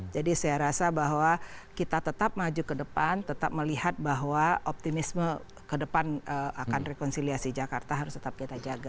jadi saya rasa bahwa kita tetap maju ke depan tetap melihat bahwa optimisme ke depan akan rekonsiliasi jakarta harus tetap kita jaga